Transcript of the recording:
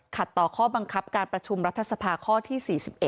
ต่อข้อบังคับการประชุมรัฐสภาข้อที่๔๑